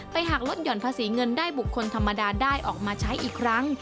หากลดหย่อนภาษีเงินได้บุคคลธรรมดาได้ออกมาใช้อีกครั้ง